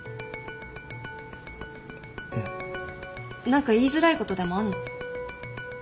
何か言いづらいことでもあんの？